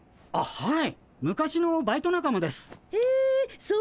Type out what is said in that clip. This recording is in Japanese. はい。